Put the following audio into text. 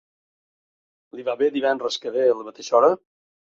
Li va bé divendres que ve a la mateixa hora?